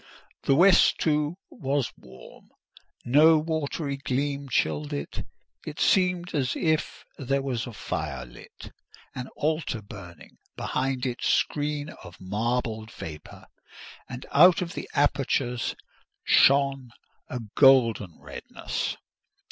The west, too, was warm: no watery gleam chilled it—it seemed as if there was a fire lit, an altar burning behind its screen of marbled vapour, and out of apertures shone a golden redness.